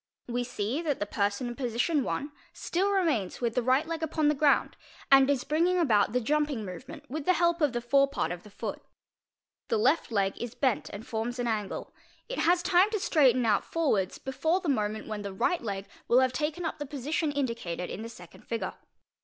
We see that the person in position I. still remains with the right leg upon the ground and is bringing about the jumping movement with the help of the forepart of the foot. The left leg is bent and forms an angle. It has time to straighten ont forwards before the moment when the right leg will have taken up the position indicated in the second figure.